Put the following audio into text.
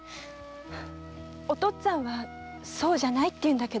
お父っつぁんが「そうじゃない」と言うんだけど。